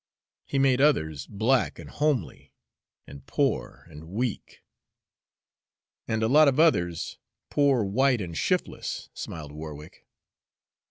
He made others black and homely, and poor and weak" "And a lot of others 'poor white' and shiftless," smiled Warwick.